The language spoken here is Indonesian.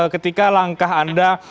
ketika langkah anda